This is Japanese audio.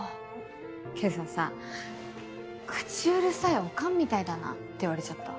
今朝さ口うるさいオカンみたいだなって言われちゃった。